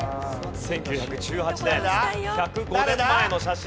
１９１８年１０５年前の写真。